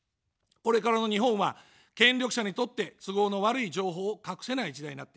これからの日本は、権力者にとって都合の悪い情報を隠せない時代になっています。